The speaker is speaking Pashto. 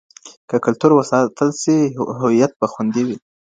که کلتور وساتل سي هویت به خوندي وي.